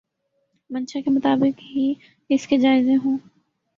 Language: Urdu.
منشاء کے مطابق ہی اس کے جائزے ہوں۔